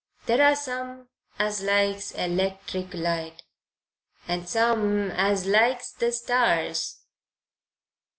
There are some as likes electric light and some as likes the stars.